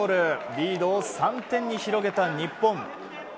リードを３点に広げた日本。